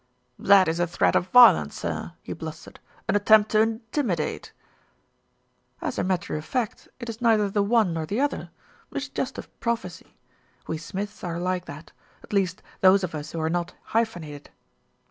"That is a threat of violence, sir," he blustered, "an attempt to intimidate." "As a matter of fact, it is neither the one nor the other. It is just a prophecy. We Smiths are like that, at least those of us who are not hyphenated.